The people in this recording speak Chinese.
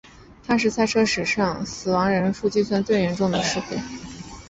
它是赛车史上以死亡人数计算最严重的事故。